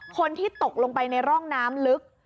คนที่ตกลงไปในร่องน้ำลึก